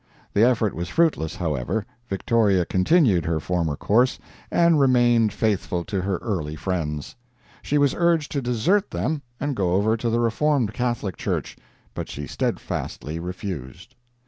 The effort was fruitless, however; Victoria continued her former course, and remained faithful to her early friends. She was urged to desert them and go over to the Reformed Catholic Church, but she steadfastly refused.